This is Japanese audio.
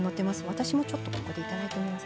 私も、ちょっといただいてみます。